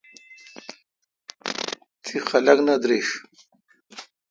تی خلق نہ درݭ۔